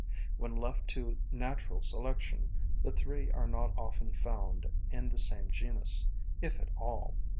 When left to natural selection the three are not often found in the same genus, if at all.